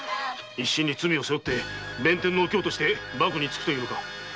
一身に罪を背負って“弁天のお京”として縛に付くというのか。